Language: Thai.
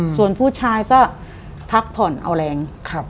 ส่วนผู้ชายก็พักผ่อนเอาแรง